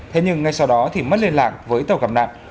thế nhưng ngay sau đó thì mất liên lạc với tàu gặp nạn